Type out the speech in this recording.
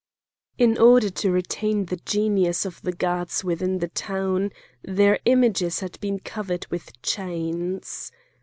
In order to retain the genius of the gods within the town their images had been covered with chains.